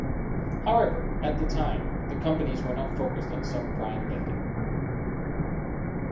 However, at that time, the companies were not focused on subprime lending.